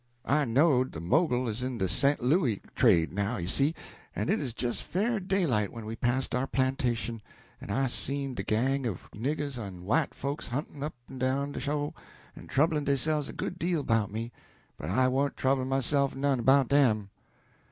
I knowed de Mogul 'uz in de Sent Louis trade now, you see. It 'uz jes fair daylight when we passed our plantation, en I seed a gang o' niggers en white folks huntin' up en down de sho', en troublin' deyselves a good deal 'bout me; but I warn't troublin' myself none 'bout dem.